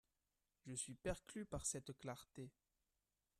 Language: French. Je suis perclus par cette clarté.